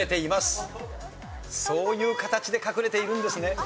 そういう形で隠れているんですね。